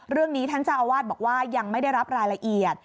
เรื่องนี้ท่านเจ้าอาวาสบอกว่ายังไม่ได้รับรายละเอียด